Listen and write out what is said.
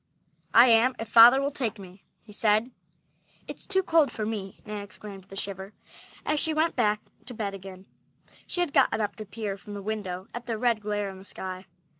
"I am, if father will take me," he said. "It's too cold for me!" Nan exclaimed with a shiver, as she went back in bed again. She had gotten up to peer from the window at the red glare in the sky.